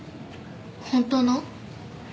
本当の？